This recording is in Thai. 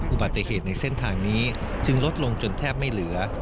อุบัติเหตุในเส้นทางนี้จึงลดลงจนแทบไม่เหลือ